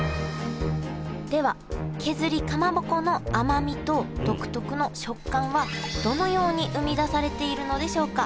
では削りかまぼこの甘みと独特の食感はどのように生み出されているのでしょうか